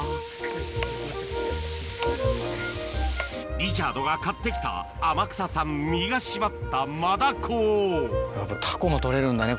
リチャードが買ってきた天草産身が締まったマダコをタコも取れるんだね